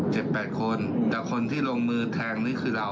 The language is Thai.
แปดคนแต่คนที่ลงมือแทงนี่คือเรา